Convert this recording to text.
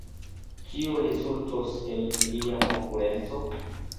Kio rezultos el ilia konkurenco?